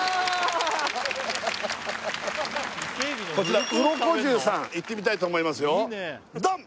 こちらウロコジュウさんいってみたいと思いますよドン！